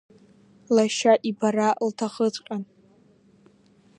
Лашьа ибара лҭахыҵәҟьан.